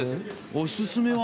お薦めは？